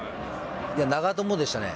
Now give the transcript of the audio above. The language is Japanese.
長友でしたね。